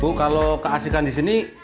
bukan ada rasa lain